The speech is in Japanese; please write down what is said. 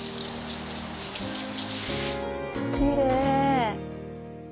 きれい。